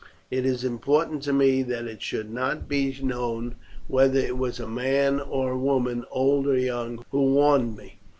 It is important to me that it should not be known whether it was man or woman, old or young, who warned me.